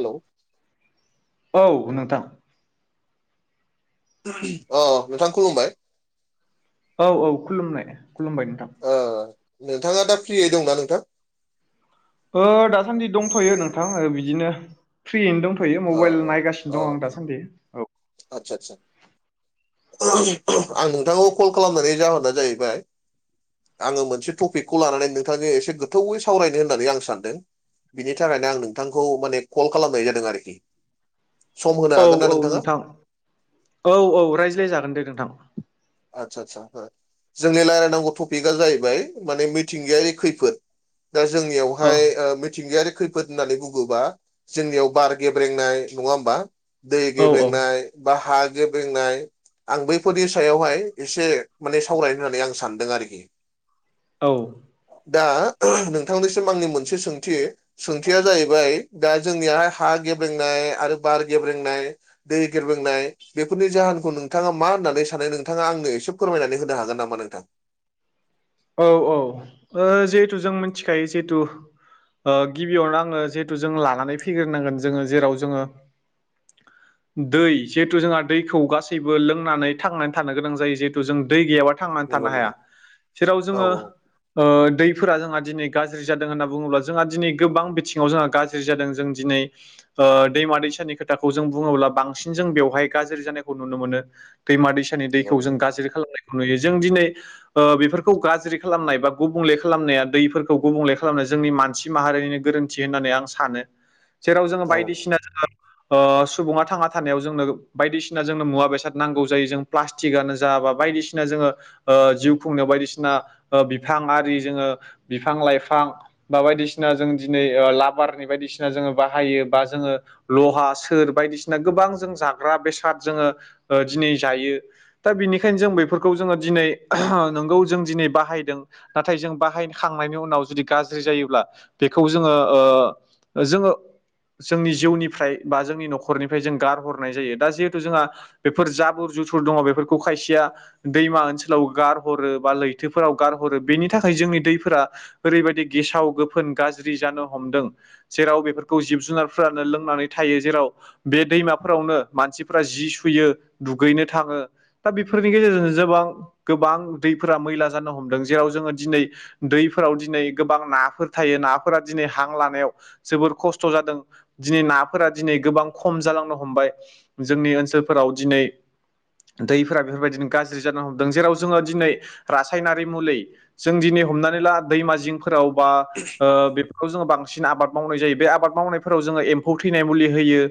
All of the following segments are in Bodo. हेल'। औ नोंथां। अ नोंथां खुलुमबाय। औ औ खुलुमनाय खुलुमबाय नोंथां। नोंथाङा दा फ्रियै दंना नोंथां। दासान्दि दंथ'यो नोंथां बिदिनो फ्रियैनो दंथ फैयो अ मबाइल नायगासिनो दं आं दासान्दि। आतसा आतसा। आं नोंथांखौ कल खालामनायनि जाहोना जाहैबाय आङो मोनसे टपिकखौ लानानै नोंथांनि एसे गोथौवै सावरायनो होननानै आं सानदों। बिनि थाखायनो आं नोंथांखौ माने कल खालामनाय जादों आरोखि। सम होनो औ हागोन औ ना नोंथाङा नोंथां औ औ रायज्लायजागोन दे नोंथां। आदसा आदसा जोंनि रायज्लायनांगौ टपिकआ जाहैबाय माने मिथिंगायारि खैफोद दा औ जोंनियावहाय मिथिंगायारि खैफोद होननानै बुङोबा जोंनियाव बार गेब्रेंनाय नङा होमबा, दै औ गेब्रेंनाय बा हा गेबेंनाय आं बैफोरनि सायावहाय एसे माने सावरायनो होननानै आं सानदों आरोखि। औ। दा नोंथांनिसिम आंनि मोनसे सोंथि। सोंथिया जाहैबाय दा जोंनियहाय हा गेब्रेंनाय आरो बार गेब्रेंनाय दै गेब्रेंनाय बेफोरनि जाहोनखौ नोंथाङा मा होननानै सानो नोङो नोंथाङा आंनो एसे फोरमायनानै होनो हागोन नामा नोंथां। औ औ जिहेतु जों मिथिखायो जिहेथु गिबियावनो आङो जिहेतु जों लानानै फैग्रोनांगोन जोङो जेराव जोङो [inaudible] दै जिहेथु जोंहा दैखौ गासैबो लोंनानै थांनानै थानो गोनां जायो। जिहेतु जों दै गैयाबा थांनानै नंगौ थानो हाया। नंगौ जेराव औ जोङो दैफोरा जोंहा दिनै गाज्रि जादों होनना बुङोब्ला जोंहा दिनै गोबां बिथिङाव जोंहा गाज्रि जादों। जों दिनै दैमा दैसानि खोथाखौ जों बुङोब्ला बांसिन जों बेवहाय गाज्रि जानायखौ नुनो मोनो। दैमा दैसानि नंगौ दैखौ जों नंगौ गाज्रि खालामनायखौ नुयो। जों दिनै बेफोरखौ खौ गाज्रि खालामनाय बा गुबुंले खालामनाया दैफोरखौ गुबुंले खालामनाय जोंनि मानसि माहारिनि गोरोन्थि मिथि होननानै आं सानो। [inaudible] जेराव जोङो औ बायदिसिना जोङो सुबुङा थांना थानायाव जोंनो। बायदिसिना जोंनो मुवा बेसाद नांगौ जायो। जों प्लास्टिकआनो जा बा बायदिसिना जोङो जिउ खुंनो बायदिसिना बिफां आरि जोङो बिफां लाइफां बा बायदिसिना जों दिनै लाबारनि बायदिसिना जोङो बाहायो। बा जोङो लहा सोर बायदिसिना गोबां जों जाग्रा बेसाद जोङो दिनै जायो। दा बिनिखायनो जों बेफोरखौ जोङो दिनै नंगौ जों दिनै बाहायदों। नाथाय जों बाहायखांनायनि उनाव जुदि गाज्रि जायोब्ला बेखौ जोङो ओ जोङो जोंनि जिउनिफ्राय बा जोंनि न'खरनिफ्राय जों गारहरनाय जायो दा जिहेथु जोंहा बेफोर जाबोर जुथुर दङ बेफोरखौ खायसेया दैमा ओनसोलाव गारहरो। बा लैथोफोराव गारहरो बेनि थाखाय जोंनि दैफोरा ओरैबायदि गेसाव गोफोन गाज्रि जानो हमदों। जेराव बेफोरखौ जिब जुनारफ्रानो लोंनानै थायो जेराव बे दैमाफोरावनो मानसिफोरा जि सुयो दुगैनो थाङो। दा बेफोरनि गेजेरजों जबां गोबां दैफोरा मैला जानो हमदों जेराव जोङो दिनै दैफोराव दिनै गोबां नाफोर थायो नाफोरा दिनै हां लानायाव जोबोर खस्थ' जादों। दिनै नाफोरा दिनै गोबां खम जालांनो हमबाय जोंनि ओनसोलफोराव दिनै दैफोरा बेफोरबायदिनो गाज्रि जानो हमदों जेराव जोङो दिनै रासायनारि मुलि जों दिनै हमनानै ला दैमा जिंफोराव बा बे खौ जोङो बांसिन आबाद मावनाय जायो बे आबाद मावनायफोराव जोङो एम्फौ थैनाय मुलि होयो।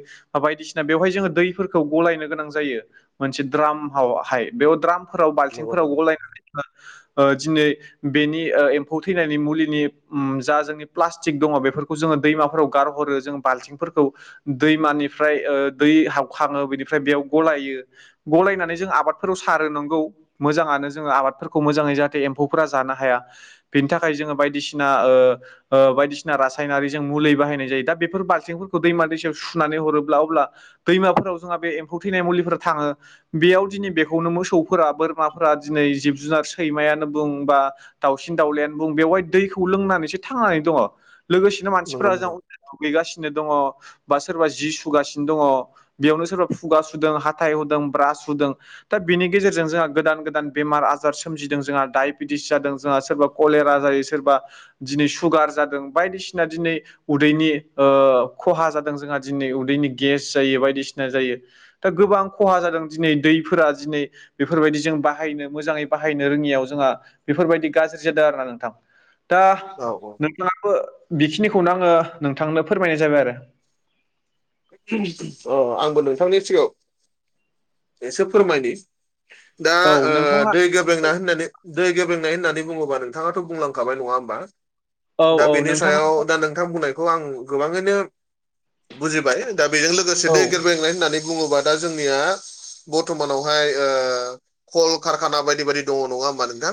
बायदिसिना बेवहाय जोङो दैफोरखौ गलायनो गोनां जायो मोनसे द्रामावहाय बेयाव द्राम फोराव नंगौ बाल्थिंफोराव नंगौ गलायनानै ओ दिनै बेनि ओ एम्फौ थैनायनि मुलिनि जा जोंनि प्लास्टिक दङ बेफोरखौ जोङो दैमाफोराव गार हरो जों बालथिंफोरखौ दैमानिफ्राय दै हाबखाङो बिनिफ्राय बेयाव गलायो। गलायनानै जों आबादफोराव सारो नांगौ मोजाङानो जोङो आबाद फोरखौ मोजाङै जाहाथे एम्फौफोरा जानो हाया बेनि थाखाय जोङो बायदिसिना ओ ओ बायदिसिना रासायनारिजों मुलि बाहायनाय जायो दा बेफोर बाल्थिंफोरखौ दैमा दैसायाव सुनानै हरोब्ला अब्ला दैमाफोराव जोंहा बे एम्फौ थैनाय मुलिफोरा थाङो। बेयाव दिनै बेखौनो मोसौफोरा बोरमाफोरा दिनै जिब जुनार सैमायानो बुं बा दाउसिन दाउलानो बुं बेवहाय दैखौ लोंनानैसो थांनानै दङ लोगोसेनो नंगौ मानसिफोरा नंगौ जों दुगैगासिनो दङ बा सोरबा जि सुगासिनो दङ बेयावनो सोरबा खुगा सुदों हाथाय होदों ब्रास होुदों। दा बिनि गेजेरजों जोंहा गोदान गोदान बेमार आज जार सोमजिदों जोंहा डायबेटिस जादों जोंहा सोरबा कलेरा जायो सोरबा दिनै सुगार जादों बायदिसिना दिनै उदैनि खहा जादों जोंहा दिनै उदैनि गेस जायो बायदिसिना जायो। दा गोबां खहा जादों दिनै दैफोरा दिनै बेफोरबायदि जों बाहायनो मोजाङै बाहायनो रोङियाव जोंहा बेफोरबायदि गाज्रि जादों आरोना नोंथां दा औ औ नों थांनोबो बेखिनिखौनो आङो नोंथांनो फोरमायनाय जाबाय आरो। अ आंबो नोंथांनि सिगाङाव एसे फोरमायनि। दा औ नोंथाङा दै गोब्रेंनाय होननानै दै गेब्रेंनाय होननानै बुङोबा नोंथाङाथ' बुंलांखाबाय नङा होमबा? औ दा औ बेनि नोंथाङा सायाव दा नोंथां बुंनायखौ आं गोबाङैनो बुजिबाय दा बेजों लोगोसे औ दै गोरबायेंलनाय होननानै बुङोबा दा जोंनिया बरथ'मानावहाय कल कारखाना बायदि बायदि दङ नङा होमा नोंथां?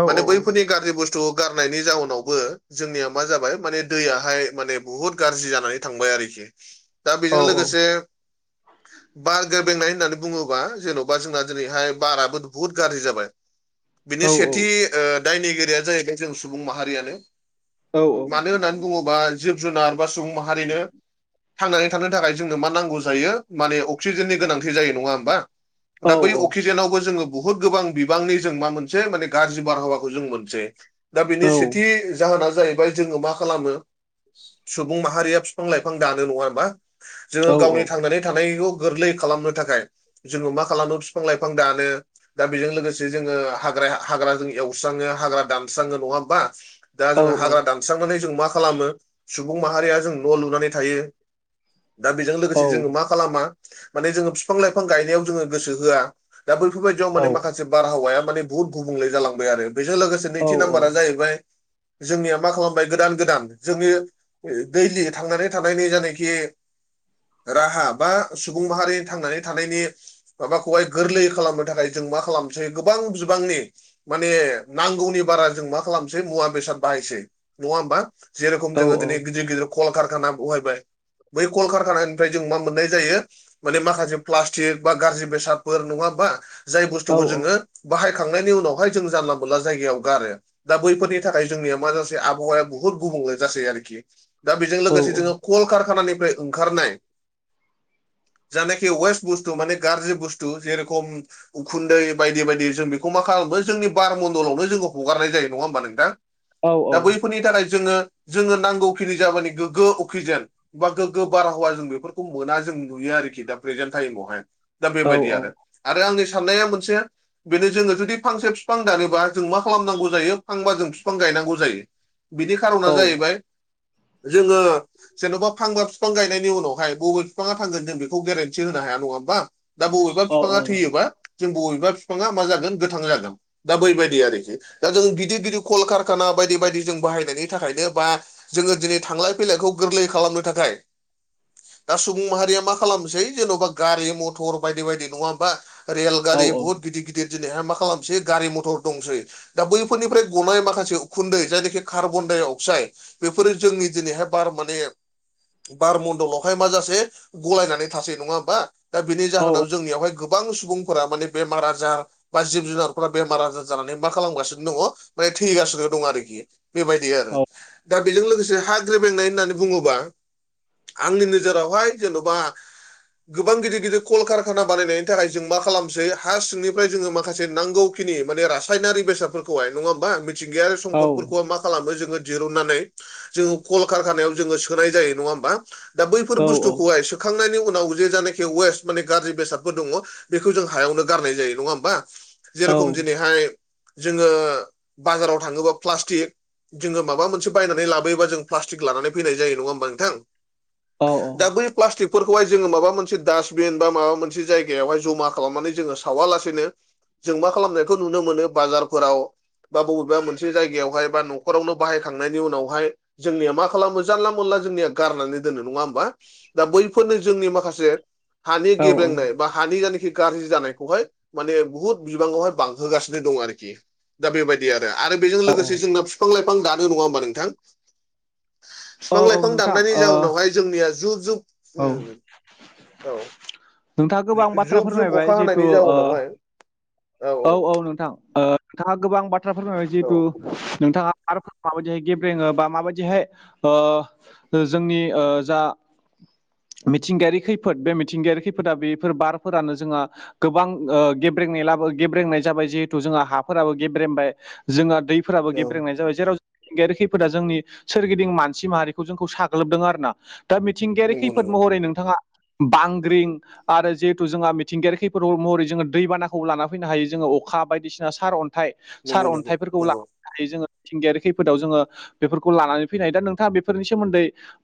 औ माने बैफोर गाज्रि बुस थु गारनायनि जाउनावबो जोंनिया मा जाबाय माने दैयाहाय माने बुहुत गाज्रि जानानै थांबाय आरोखि। दा औ बेजों लोगोसे बार गोबेंनाय होननानै बुङोबा जेन'बा जोंना दिनैहाय बाराबो बुहुत गाज्रि जाबाय। [inaudible] औ बिनि सेथि ओ दायनिगिरिया जाहैबाय जों सुबुं माहारियानो औ मानो होननानै बुङोबा जिब जुनार बा सुबुं माहारिनो थांनानै थानो थाखाय जोंनो मा नांगौ जायो माने अक्सिजेननि गोनांथि जायो नङा होमबा? औ दा बै अक्सिजेनावबो जोङो बुहुत गोबां बिबांनि जों मा मोनसे माने गाज्रि बारहावाखौ जों मोनसे दा बेनि औ सेथि जाहोना जाहैबाय जोङो मा खालामो सुबुं माहारिया बिफां लाइफां दानो नङा हबा जोङो औ गावनि थांनानै थानायखौ गोरलै खालामनो थाखाय जोङो मा खालामो बिफां लाइफां दानो दा बेजों लोगोसे जोङो हाग्रा हाग्रा जों एवस्राङो हाग्रा दानस्राङो नङा होमबा दा औ जों औ हाग्रा औ दानस्रांनानै जों मा खालामो सुबुं माहारिया जों न' लुनानै थायो। दा बेजों लोगोसे जोङो मा खालामा माने जोङो बिफां लाइफां गायनायाव जोङो गोसो होआ दा बैफोरबायदियाव माने माखासे बारहावाया माने बुहुत गुबुंले जालांबाय आरो बेजों लोगोसे नैथि नाम्बारा जाहैबाय जोंनिया मा खालामबाय गोदान गोदान जोंङनि दैलि थांनानै थानायनि जायनाखि राहा बा सुबुं माहारि थांनानै थानायनि माबाखौहाय गोरलै खालामनो थाखाय जों मा खालामसै गोबां बिबांनि माने नांगौनि बारा जों मा खालामसै मुवा बेसाद बाहायसै नङा होमबा जेरेखम जोङो दिनै गिदिर गिदिर कलकारखाना बहायबाय बै कलकारखानानिफ्राय जों मा मोननाय जायो माने माखासे प्लास्टिक बा गाज्रि बेसादफोर नङाबा जाय बुस्थुखौ जोङो बाहायखांनायनि उनावहाय जों जानला मोनला जायगायाव गारो दा बैफोरनि थाखाय जोंनिया मा जसे आबहावाया बुहुत गुबुंल जासै आरोखि दा बेजों लोगोसे जोङो कलकारखानानिफ्राय ओंखारनाय जनाखि वेस बुस्तु माने गाज्रि बुस्थु जेरेखम। उखुन्दै बायदि बायदि जों बेखौ मा खालामो जोंनि बारमन्दलावनो जोङो हगारनाय जायो नङा होमबा नोंथां। दा बैफोरनि थाखाय जोङो जोङो नांगौखिनि जाबानि गोग्गो अक्सिजेन बा गोग्गो बारहावा जों बेफोरखौ मोना जों नुयो आरोखि दा प्रेजेन्ट टाइमावहाय दा बेबायदि आरो आरो आंनि साननाया मोनसे बेनो जोङो जुदि फांसे बिफां दानोबा जों मा खालामनांगौ जायो फांबा जों बिफां गायनांगौ जायो। बिनि खारना जाहैबाय जोङो जेन'बा फांबा बिफां गायनायनि उनावहाय बबे बिफाङा थांगोन जों बेखौ गेरेन्टि होनो हाया नङा होमबा दा बबेबा बिफाङा थैयोबा जों बबेबा बिफाङा मा जागोन गोथां जागोन दा बैबायदि आरोखि दा जों गिदिर गिदिर कल कारखाना बायदि बायदि जों बाहायनायनि थाखायनो बा जोङो दिनै थांलाय फैलायखौ गोरलै खालामनो थाखाय दा सुबुं माहारिया मा खालामनोसै जेन'बा गारि मथर बायदि बायदि नङा होमबा रेलगारि बहुत गिदिर गिदिर दिनैहाय मा खालामसै गारि मथर दंसै दा बैफोरनिफ्राय गनाय माखासे उखुन्दै जायनाखि कार्बन डाइ अक्साइड बेफोरो जोंनि दिनैहाय बार मोन माने बार मन्दलावहाय मााजसे गलायनानै थासै नङा होमबा दा बेनि औ जाहोनाव जोंनियावहाय गोबां सुबुंफोरा माने बेमार आजार बा जिब जुनारफोरा बेमार आजार जानानै मा खालामगासिनो दङ माने थैगासिनो दं आरोखि बेबायदि औ आरो दा बेजों लोगोसे हा ग्रेब्रेंनाय होननानै बुङोबा आंनि नोजोरावहाय जेन'बा गोबां गिदिर गिदिर कल कारखाना बानायनायनि थाखाय जों मा खालामसै हा सिंनिफ्राय जोङो माखासे नांगौ माने रासायनारि बेसादफोरखौहाय नङा मिथिंगायारि औ सम्पदफोरखौ मा खालामो जोङो दिरनानै जों कलखारखानायाव जोङो सोनाय जायो नङा होनबा दा बैफोर बुसथुखौहाय सुखांनायनि उनाव जे जानाखि वेस्ट माने गाज्रि बेसादबो दङ बेखौ जों हायावनो गारनाय जायो नङा होमबा औ जेरखम दिनैहाय जोङो बाजाराव थाङोबा प्लास्टिक जोङो माबा मोनसे बायनानै लाबोयोबा जों प्लास्टिक लानानै फैनाय जायो नङा होमबा नोंथां औ दा बै प्लास्टिकफोरखौहाय जोङो माबा मोनसे डास्टबिन बा माबा मोनसे जायगायावहाय जमा खालामनानै जोङो सावालासेनो जों मा खालामनायखौ नुनो मोनो बाजारफोराव बा बबेबा मोनसे जायगायावहाय बा न'खरावनो बाहायखांनायनि उनावहाय जोंनिया मा खालामो जानला मोनला जोंनिया गारनानै दोनो नङा होमबा दा बैफोरनो जोंनि माखासे हानि गेब्रेंनाय बा हानि जानाखि गाज्रि जानायखौहाय माने बुहुत बिबाङावहाय बांहोगासिनो दं आरोखि दा बेबायदि आरो आरो बेजों औ लोगोसे जोंना बिफां लाइफां दानो नङा होमबा नोंथां बिफां औ लाइफां नोंथां दाननायनि ओ जाउनावहाय जोंनिया जुब जुब औ उम नोंथाङा गोबां बाथ्रा फोरमायबाय जिहेथु ओ जाउनावहाय औ औ नोंथां ओ नोंथाङा गोबां बाथ्राफोर फोरमायबाय औ जिहेथु नोंथाङा आरो माबायदिहाय गेब्रेङो बा माबायदिहाय ओ जोंनि ओ जा मिथिंगायारि खैफोद बे मिथिंगायारि खैफोदा बेफोर बारफोरानो जोना गोबां ओ गेब्रेंनाय लाबो गेब्रेंनाय जाबाय जिहेथु जोंहा हाफोराबो गेब्रेमबाय जोंहा दैफोराबो औ गेब्रेंनाय जाबाय जेराव मिथिंगायारि खैफोरा जोंनि सोरगिदिं मानसि माहारिखौ जोंखौ साग्लोबदों आरो ना दा मिथिंगायारि खै नंगौ नंगौ रै नोंथाङा बांग्रिं आरो जिहेथु जोंहा मिथिंगायारि खैफोद महरै जोङो दैबानाखौबो ला फैनो हायो जोङो अखा बायदिसिना सार अन्थाइ सार नंगौ नंगौ अन्थाइफोरखौ नंगौ लानानै जोङो मिथिंगायारि खैफोदाव जोङो बेफोरखौ लानानै फैनाय हायो दा नोंथाङा बेफोरनि सोमोन्दै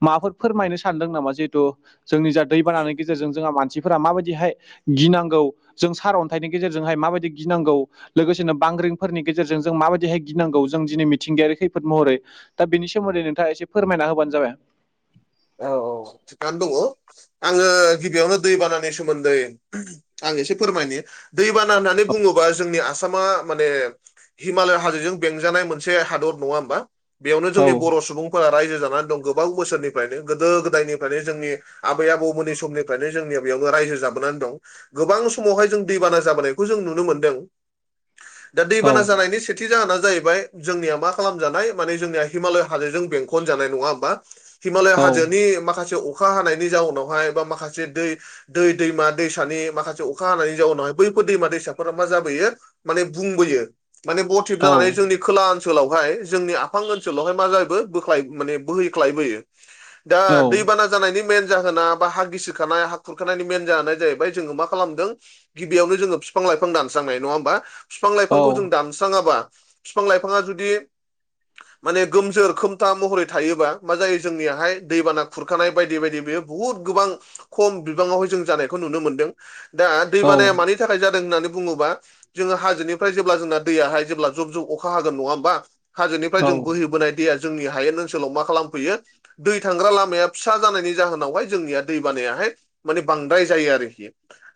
माबाफोर फोरमायनो सानदों नामा जे थु जोंनि जा दैबानानि गेजेरजों जोंहा मानसिफोरा माबायदिहाय गिनांगौ जों सारअन्थाइनि गेजेरजोंहाय माबायदि गिनांगौ लोगोसेनो बांग्रिंफोरनि गेजेरजों जों माबायदिहाय गिनांगौ जों दिनै मिथिंगायारि खैफोद महरै दा बिनि सोमोन्दै नोंथाङा एसे फोरमायना होबानो जाबाय औ औ थिगानो दङ। आङो गिबियावनो दैबानानि सोमोन्दै आं एसे फोरमायनो दैबाना होननानै बुङोबा जोंनिया आसामा माने हिमालय हाजोजों बेंजानाय मोनसे हादर नङा होमबा? बेयावनो औ जोंनि बर' सुबुंफोरा रायजो जानानै दं गोबां बोसोरनि फ्रायनो गोदो गोदायनिफ्रायनो जोंनि आबै आबौमोननि समनिफ्रायनो जोंनिया बेयावनो रायजो जाबोनानै दं गोबां समावहाय जों दैबाना जाबोनायखौ जों नुनो मोनदों दा औ दैबाना जानायनि से मोनसे जाहोना जाहैबाय जोंनि मा खालाम जानाय माने जोंनिया हिमालय हादोरजों बेंखन जानाय नङा होमबा? हिमालय औ हाजोनि माखासे अखा हानायनि जाउनावहाय बा माखासे दै दै दैमा दैसानि माखासे अखा हानायनि जाउनावहाय बैफोर दैमा दैसाफोरा मा जाबोयो माने बुंबोयो माने मटिभ औ जानानै जोंनि खोलाहा ओनसोलावहाय जोंनि आफां ओनसोलावहाय मा जायबो बोख्लाय माने बोहैख्लायबोयो दा दै बाना जानायनि मेन जाहोना बा हा गिसिखानाय हा खुरखानायनि मेन जाहोन जाहैबाय जोङो मा खालामदों गिबियावनो जोङो बिफां लाइफां दानस्रांनाय नङा होमबा बिफां औ लाइफांखौ जों दान सुस्राङाबा बिफां लाइफाङा जुदि माने गोमजोर खोमथा महरै थायोबा मा जायो जोंनियाहाय दैबाना खुरखानाय बायदि बायदि बेयाव बुहुद गोबां खम बिबाङावहाय जों जानायखौ नुनो मोनदों दा औ दैबानाया मानि थाखाय जादों होननानै बुङोबा जोङो हाजोनिफ्राय जेब्ला जोंना दैयाहाय जेब्ला जब जब अखा हागोन नङा होमबा हाजोनिफ्राय औ जों बोहैबोनाय दैया जोंनि हायेन ओनसोलाव मा खालामफैयो दै थांग्रा लामाया फिसा जानायनि जाहोनावहाय जोंनिया दै बानायाहाय माने बांद्राय जायो आरोखि।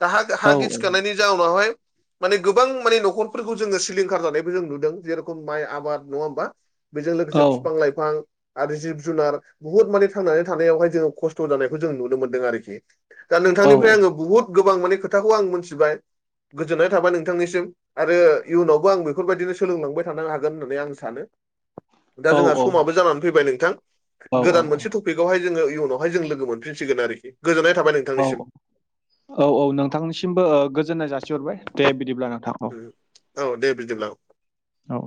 दा हा हा औ गिसिखानायनि जाउनावहाय माने गोबां माने न'खरफोरखौ जोङो सिलिंखार जानायबो जों नुदों जेरेखम माइ आबाद नङा होमबा? बेजों लोगोसे फिफां लाइफां आरो जिब जुनार बुहुत माने थांनानै थानायावहाय जोङो खस्थ' जानायखौ जों नुनो मोन्दों आरोखि दा औ नोंथांनिफ्राय आङो बुहुत गोबां माने खोथाखौ आं मिथिबाय गोजोननाय थाबाय नोंथांनिसिम। आरो इयुनावबो आं बेफोरबायदिनो सोलोंलांबाय थानो हागोन होननानै आं सानो। दा जोंहा समाबो जानानै फैबाय नोंथां औ गोदान मोनसे औ टपिकावहाय जोङो इयुनावहाय जों लोगो मोनफिनसिगोन आरोखि गोजोननाय थाबाय नों औ औ औ औ नोंथांनिसिमबो ओ गोजोननाय जासिहरबाय, दे बिदिब्ला नोंथांखौ औ। औ दे बिदिब्ला औ।